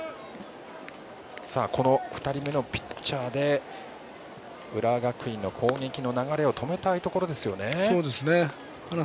この２人目のピッチャーで浦和学院の攻撃の流れを止めたいところですね。